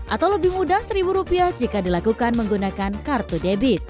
atau lebih mudah seribu rupiah jika dilakukan menggunakan kartu debit